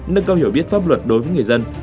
nâng cao hiểu biết pháp luật đối với người dân